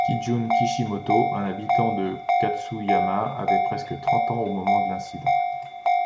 Kijun Kishimoto, un habitant de Katsuyama, avait presque trente ans au moment de l'incident.